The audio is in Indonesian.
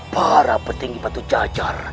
para petinggi batu jajar